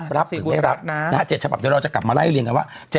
๗ฉบับเดี๋ยวเราจะกลับมาไล่เรียนกันว่า